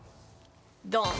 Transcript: ドン！